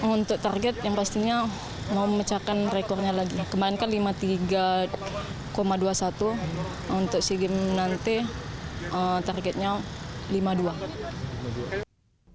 untuk target yang pastinya mau memecahkan rekornya lagi